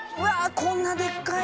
こんなでっかいのが？